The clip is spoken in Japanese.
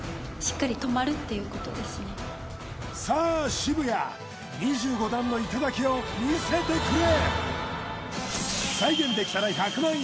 渋谷２５段の頂を見せてくれ！